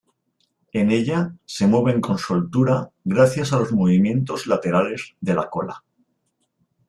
En ella se mueven con soltura gracias a los movimientos laterales de la cola.